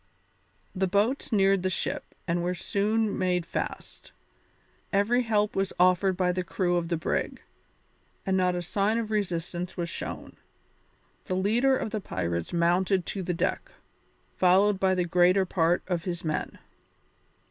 The boats neared the ship and were soon made fast; every help was offered by the crew of the brig, and not a sign of resistance was shown. The leader of the pirates mounted to the deck, followed by the greater part of his men.